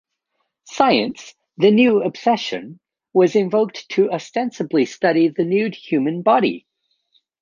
Science, the new obsession, was invoked to ostensibly study the nude human body.